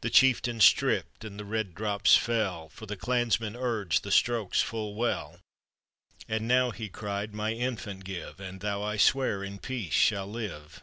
The chieftain stripped and the red drops fell, For the clansmen urged the strokes full well; "And now," he cried, "my infant give. And thou, I swear, in peace shall live."